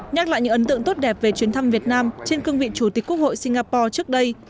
nhắc lại những ấn tượng tốt đẹp về chuyến thăm việt nam trên cương vị chủ tịch quốc hội singapore trước đây